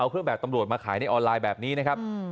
เครื่องแบบตำรวจมาขายในออนไลน์แบบนี้นะครับ